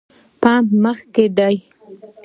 پمپ مخکې ده